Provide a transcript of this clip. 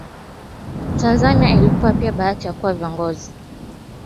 Tanzania ilipata pia bahati ya kuwa na viongozi wa aina ya Abdulrahman Babu